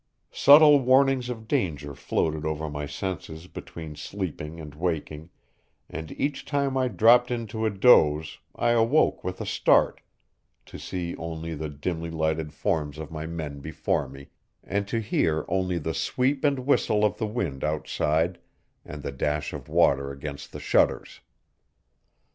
Subtle warnings of danger floated over my senses between sleeping and waking, and each time I dropped into a doze I awoke with a start, to see only the dimly lighted forms of my men before me, and to hear only the sweep and whistle of the wind outside and the dash of water against the shutters.